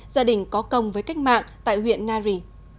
gia đình có công với cách mạng tại huyện nari